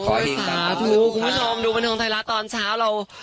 โอ้ยสาธุคุณผู้ชมดูบรรทงไทยรัฐตอนเช้าเรา